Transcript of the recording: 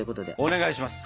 お願いします。